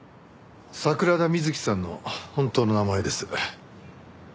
桜田美月さんの本当の名前です。